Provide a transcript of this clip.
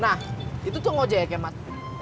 nah itu tuh ngojek ya mas